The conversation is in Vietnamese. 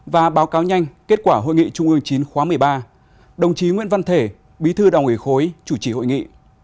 và báo cáo nhanh kết quả hội nghị trung ương chín khóa một mươi ba đồng chí nguyễn văn thể bí thư đảng ủy khối chủ trì hội nghị